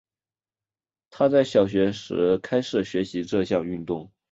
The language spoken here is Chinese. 她在小学时开始学习这项运动。